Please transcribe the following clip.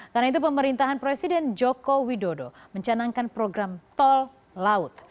karena itu pemerintahan presiden joko widodo mencanangkan program tol laut